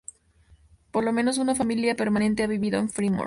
Por lo menos una familia permanente ha vivido en Fremont.